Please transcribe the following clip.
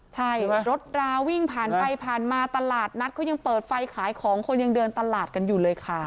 ใช่รถราวิ่งผ่านไปผ่านมาตลาดนัดเขายังเปิดไฟขายของคนยังเดินตลาดกันอยู่เลยค่ะ